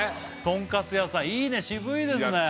とんかつ屋さんいいね渋いですね